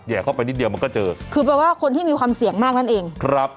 เข้าไปนิดเดียวมันก็เจอคือแปลว่าคนที่มีความเสี่ยงมากนั่นเองครับ